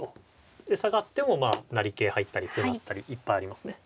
で下がってもまあ成桂入ったり歩成ったりいっぱいありますね。